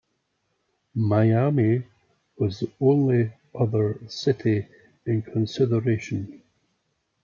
Miami was the only other city in consideration.